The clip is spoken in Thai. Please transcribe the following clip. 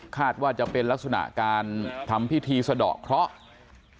ว่าจะเป็นลักษณะการทำพิธีสะดอกเคราะห์